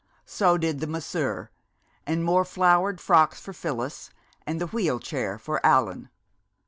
So did the masseur, and more flowered frocks for Phyllis, and the wheel chair for Allan.